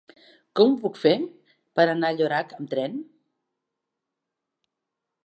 Com ho puc fer per anar a Llorac amb tren?